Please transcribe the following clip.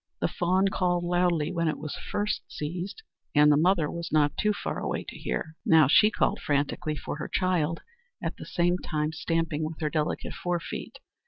The fawn called loudly when it was first seized, and the mother was not too far away to hear. Now she called frantically for her child, at the same time stamping with her delicate forefeet.